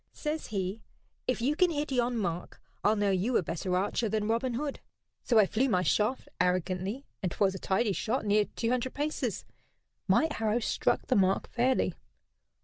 Says he: 'If you can hit yon mark I'll know you a better archer than Robin Hood.' So I flew my shaft arrogantly, and 'twas a tidy shot, near two hundred paces. My arrow struck the mark fairly.